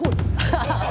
ハハハ！